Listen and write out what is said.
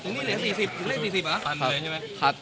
ตรงนี้เหลือ๔๐เหลือ๔๐เหรอ